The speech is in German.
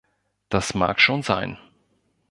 Das mag schon sein.